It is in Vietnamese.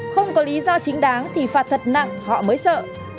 không có lý do chính đáng thì phạt thật nặng họ mới sợ